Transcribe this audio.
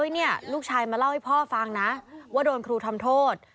นี่ลูกชายมาเล่าให้พ่อฟังนะว่าโดนครูทำโทษ